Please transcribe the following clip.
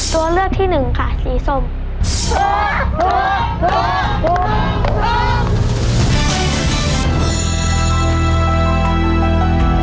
ตัวเลือกที่หนึ่งค่ะสีส้ม